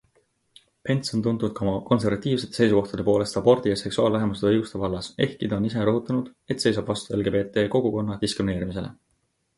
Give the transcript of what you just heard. Pence on tuntud ka oma konservatiivsete seisukohtade poolest abordi ja seksuaalvähemuste õiguste vallas, ehkki ta on ise rõhutanud, et seisab vastu LGBT-kogukonna diskrimineerimisele.